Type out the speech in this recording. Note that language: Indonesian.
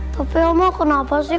tapi mama kenapa sih